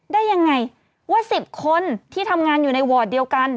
ได้ยังไงว่า๑๐คนที่ทำงานอยู่ในวอร์ดเดียวกัน